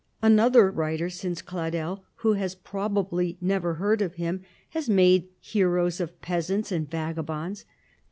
Another writer since Cladel, who has probably never heard of him, has made heroes of peasants and vagabonds.